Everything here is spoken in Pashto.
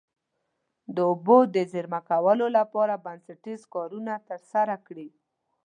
د اوبو د زیرمه کولو لپاره بنسټیز کارونه ترسره کړي.